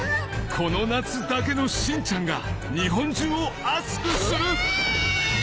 この夏だけのしんちゃんが日本中を熱くする！